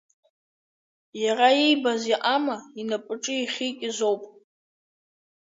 Иара иибаз иҟама инапаҿы иахьикыз оуп.